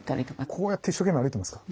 こうやって一生懸命歩いてますか？